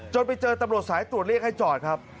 ไปเจอตำรวจสายตรวจเรียกให้จอดครับ